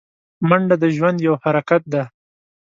منډه د ژوند یو حرکت دی